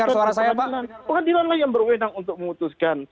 bukan di lantai yang berwenang untuk mengutuskan